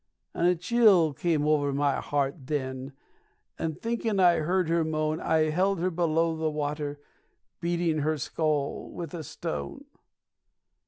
And a chill came over my heart then, and thinkin' I heard her moan, I held her below the water, beating her skull with a stone.